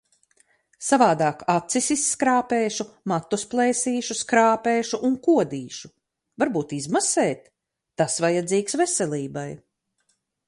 Savādāk acis izskrāpēšu, matus plēsīšu, skrāpēšu un kodīšu. Varbūt izmasēt? Tas vajadzīgs veselībai.